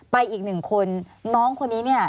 อีกหนึ่งคนน้องคนนี้เนี่ย